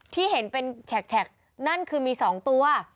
ที่เห็นเป็นแฉกนั่นคือมี๒ตัว